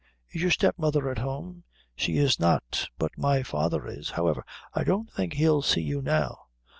Is your stepmother at home?" "She is not, but my father is; however, I don't think he'll see you now.